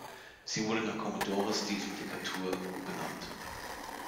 Sie wurde nach Commodore Stephen Decatur benannt.